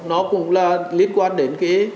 nó cũng là liên quan đến cái